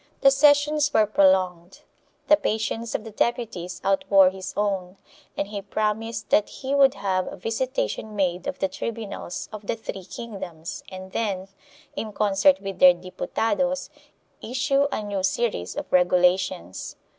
The sessions were prolonged; the patience of the deputies outwore his own and he promised that he would have a visitation made of the tribunals of the three kingdoms and then, in concert with their Diputados, issue a new series of regulations.